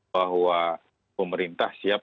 bahwa pemerintah siap